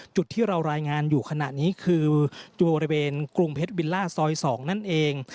จุดที่เรารายงานอยู่ขณะนี้คือตัวบริเวณกรุงเพชรวิลล่าซอย๒นั่นเอง